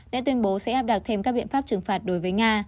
đã tuyên bố sẽ áp đặt thêm các biện pháp trừng phạt đối với nga